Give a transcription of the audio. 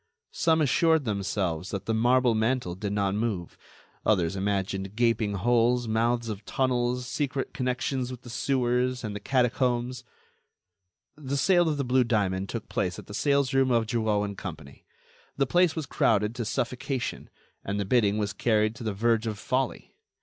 Some assured themselves that the marble mantel did not move, others imagined gaping holes, mouths of tunnels, secret connections with the sewers, and the catacombs— The sale of the blue diamond took place at the salesroom of Drouot & Co. The place was crowded to suffocation, and the bidding was carried to the verge of folly.